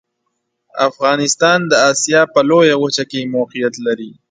افغانستان د اسیا په لویه وچه کې موقعیت لري.